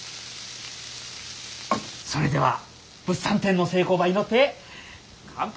それでは物産展の成功ば祈って乾杯！